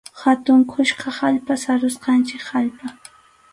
Hatun kuska allpa, sarusqanchik allpa.